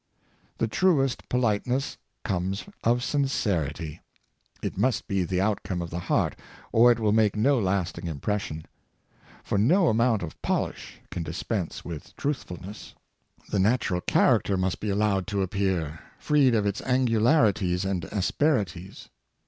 The truest politeness comes of sincerity It must be the outcome of the heart, or it will make no lasting impression; for no amount of polish can dispense with truthfulness. The natural character must be allowed to appear, freed of its angularities and asperities.